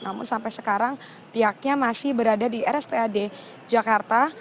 namun sampai sekarang pihaknya masih berada di rspad jakarta